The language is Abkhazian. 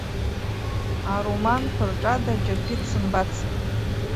Ароманқәа рҿада џьаргьы дсымбацт!